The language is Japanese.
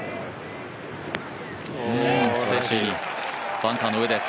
バンカーの上です。